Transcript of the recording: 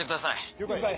了解。